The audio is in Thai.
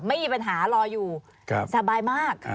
ไม่มีปัญหารออยู่สบายมาก